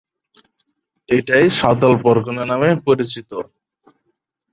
এটাই সাঁওতাল পরগনা নামে পরিচিত।